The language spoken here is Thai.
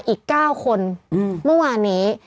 อีก๙คนเมื่อวานนี้